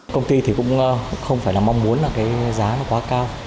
công ty thì cũng không phải là mong muốn là cái giá nó quá cao